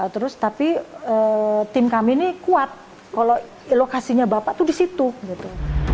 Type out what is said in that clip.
terus tapi tim kami ini kuat kalau lokasinya bapak tuh di situ gitu